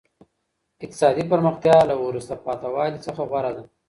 اقتصادي پرمختیا له وروسته پاته والي څخه غوره ده.